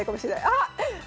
あっ！